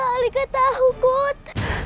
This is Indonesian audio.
alika tahu kot